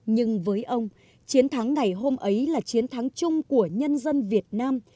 nhưng với ông chiến thắng ngày hôm ấy là chiến thắng chung của nhân dân việt nam